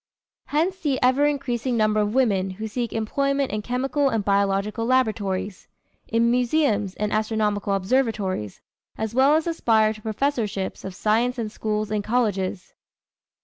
Hence the ever increasing number of women who seek employment in chemical and biological laboratories, in museums and astronomical observatories, as well as aspire to professorships of science in schools and colleges.